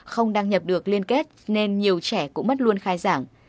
không đăng nhập được liên kết nên nhiều trẻ cũng mất luôn khai giảng